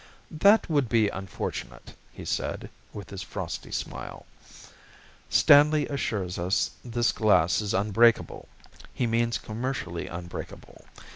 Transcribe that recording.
"That would be unfortunate," he said, with his frosty smile. "Stanley assures us this glass is unbreakable. He means commercially unbreakable.